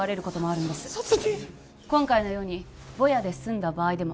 今回のようにボヤですんだ場合でも